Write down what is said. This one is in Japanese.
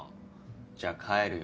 じゃあ帰るよ。